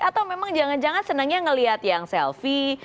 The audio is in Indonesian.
atau memang jangan jangan senangnya ngeliat yang selfie